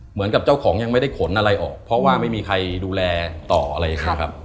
เหมือนกับเจ้าของยังไม่ได้ขนอะไรออกเพราะว่าไม่มีใครดูแลต่ออะไรอย่างนี้ครับ